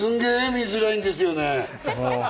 見づらいんですよね。